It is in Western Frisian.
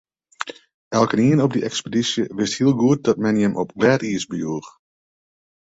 Elkenien op dy ekspedysje wist hiel goed dat men jin op glêd iis bejoech.